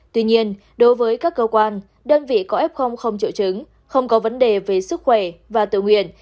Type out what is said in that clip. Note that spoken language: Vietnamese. tuy nhiên đối với các cơ quan đơn vị có f không triệu chứng không có vấn đề về sức khỏe và tự nguyện